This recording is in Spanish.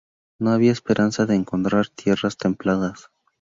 No había esperanza de encontrar tierras templadas.